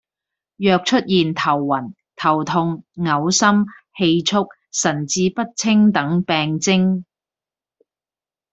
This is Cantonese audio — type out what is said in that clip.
若出現頭暈、頭痛、噁心、氣促、神志不清等病徵